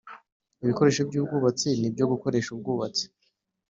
ibikoresho by ubwubatsi nibyo gukoresha mubwubatsi